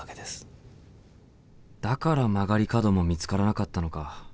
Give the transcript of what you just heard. だから曲がり角も見つからなかったのか。